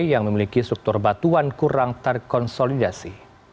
yang memiliki struktur batuan kurang terkonsolidasi